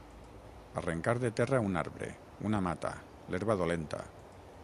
Arrencar de terra un arbre, una mata, l'herba dolenta.